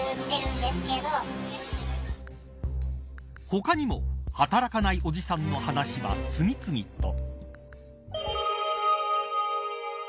他にも働かないおじさんの話は次々と。